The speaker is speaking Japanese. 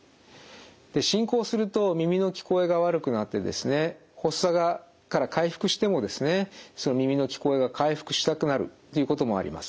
で進行すると耳の聞こえが悪くなってですね発作から回復してもですね耳の聞こえが回復しなくなるっていうこともあります。